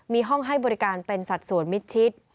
มีห้องให้บริการเป็นสัดส่วนมิดชิด